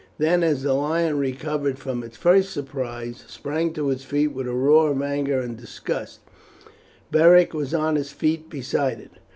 Then as the lion, recovering from its first surprise, sprang to its feet with a roar of anger and disgust, Beric was on his feet beside it.